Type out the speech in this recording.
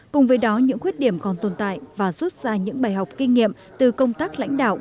cùng với đó những khuyết điểm còn tồn tại và rút ra những bài học kinh nghiệm từ công tác lãnh đạo